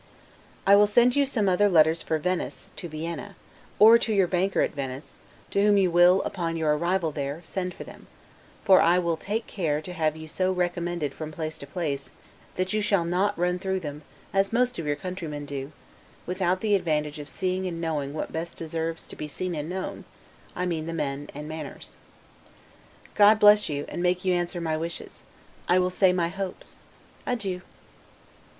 I will send you some other letters for Venice, to Vienna, or to your banker at Venice, to whom you will, upon your arrival there, send for them: For I will take care to have you so recommended from place to place, that you shall not run through them, as most of your countrymen do, without the advantage of seeing and knowing what best deserves to be seen and known; I mean the men and the manners. God bless you, and make you answer my wishes: I will now say, my hopes! Adieu.